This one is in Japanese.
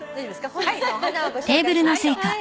本日のお花をご紹介しましょう。